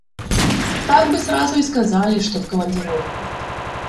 Так би сразу і сказалі, што в камандіровку.